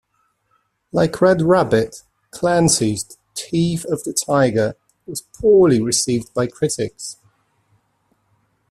Like "Red Rabbit", Clancy's "The Teeth of the Tiger" was poorly received by critics.